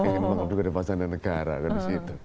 yang mengaduk aduk pasangan negara di situ